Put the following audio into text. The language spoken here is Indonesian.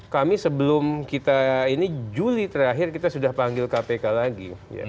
kami sebelum kita ini juli terakhir kita sudah panggil kpk lagi